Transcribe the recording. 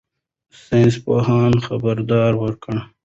ساینس پوهان خبرداری ورکوي.